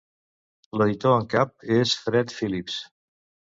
L'editor en cap és Fred Phillips.